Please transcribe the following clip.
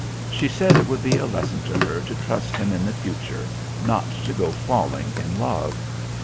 She said it would be a lesson to her to trust him in the future not to go falling in love.